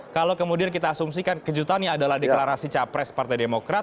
kalau kemudian kita asumsikan kejutannya adalah deklarasi capres partai demokrat